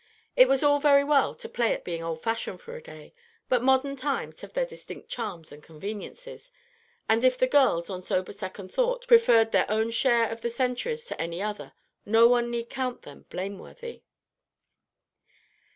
It was all very well to play at being old fashioned for a day; but modern times have their distinct charms and conveniences, and if the girls, on sober second thought, preferred their own share of the centuries to any other, no one need count them blameworthy.